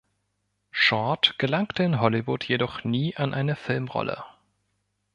Short gelangte in Hollywood jedoch nie an eine Filmrolle.